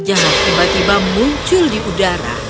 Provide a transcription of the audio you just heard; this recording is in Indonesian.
jarak tiba tiba muncul di udara